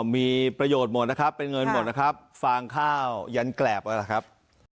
มีประโยชน์หมดเป็นเงินหมดฟางข้าวยั้นแกร่บ